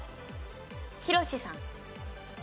ヒロシさん。